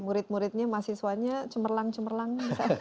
murid muridnya mahasiswanya cemerlang cemerlang